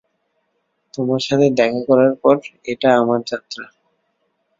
তোমার সাথে দেখা করার পর এটা আমার যাত্রা।